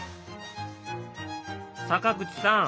坂口さん